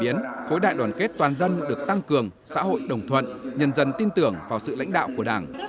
biến khối đại đoàn kết toàn dân được tăng cường xã hội đồng thuận nhân dân tin tưởng vào sự lãnh đạo của đảng